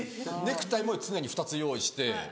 ネクタイも常に２つ用意して。